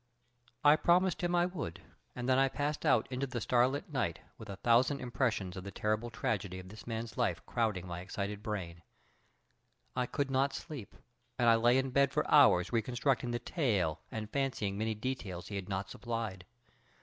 I promised him I would, and then I passed out into the starlit night with a thousand impressions of the terrible tragedy of this man's life crowding my excited brain. I could not sleep, and I lay in bed for hours reconstructing the tale and fancying many details he had not supplied.